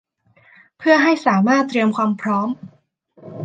เพื่อให้สามารถเตรียมความพร้อม